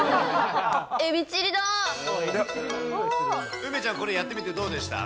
梅ちゃん、これやってみてどうでしたか？